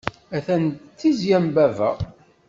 Atan d tizya n baba.